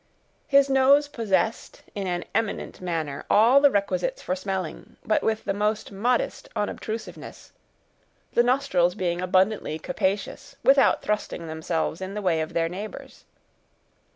His nose possessed, in an eminent manner, all the requisites for smelling, but with the most modest unobtrusiveness; the nostrils being abundantly capacious, without thrusting themselves in the way of their neighbors.